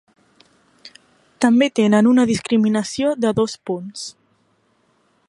També tenen una discriminació de dos punts.